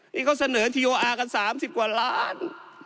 นี่เขาเสนอทีโออาร์กัน๓๐กว่าล้าน